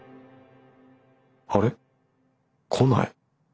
あれ？来ない。